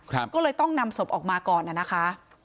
ก็เลยต้องนำศพออกมาก่อนน่ะนะคะ